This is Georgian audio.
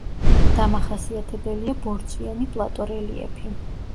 დამახასიათებელია ბორცვიანი პლატო რელიეფი.